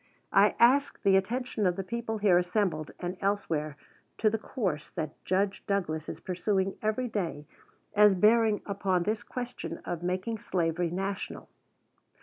I ask the attention of the people here assembled and elsewhere to the course that Judge Douglas is pursuing every day as bearing upon this question of making slavery national.